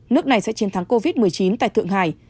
nước này sẽ chiến thắng covid một mươi chín tại thượng hải